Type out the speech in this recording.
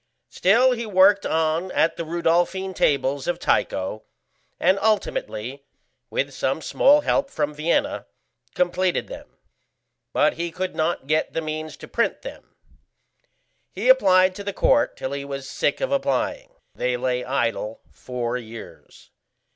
Still he worked on at the Rudolphine tables of Tycho, and ultimately, with some small help from Vienna, completed them; but he could not get the means to print them. He applied to the Court till he was sick of applying: they lay idle four years.